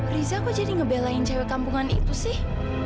riza aku jadi ngebelain cewek kampungan itu sih